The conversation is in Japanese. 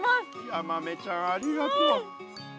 ヤマメちゃんありがとう。